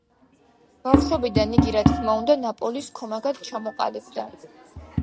ბავშვობიდან იგი რა თქმა უნდა „ნაპოლის“ ქომაგად ჩამოყალიბდა.